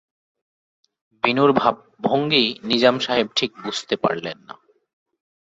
বিনুর ভাবভঙ্গি নিজাম সাহেব ঠিক বুঝতে পারলেন না।